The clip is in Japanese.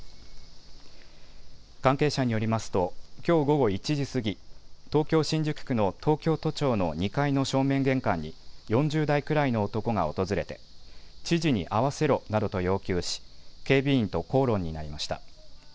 関係者によりますと、きょう午後１時過ぎ、東京新宿区の東京都庁の２階の正面玄関に４０代くらいの男が訪れて知事に会わせろなどと要求し警備員と口論になりました。